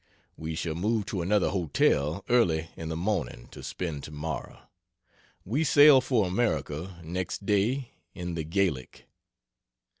We shall move to another hotel early in the morning to spend to morrow. We sail for America next day in the "Gallic."